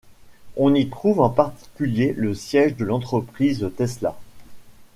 On y trouve en particulier le siège de l'entreprise Tesla.